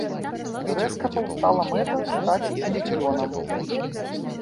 Рэзка паўстала мэта стаць чэмпіёнам.